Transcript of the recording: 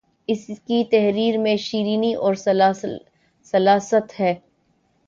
اسکی تحریر میں شیرینی اور سلاست ہے